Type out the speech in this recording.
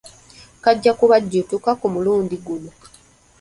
Kajja kubajjuutuka ku mulundi guno.